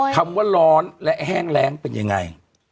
คำว่าร้อนและแห้งแรงเป็นยังไง